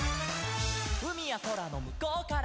「うみやそらのむこうから」